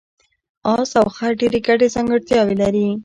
اس او خر ډېرې ګډې ځانګړتیاوې لري.